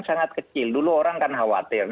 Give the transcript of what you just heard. sangat kecil dulu orang kan khawatir